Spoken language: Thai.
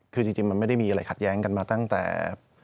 คือจริงมันไม่ได้มีอะไรขัดแย้งกันมาตั้งแต่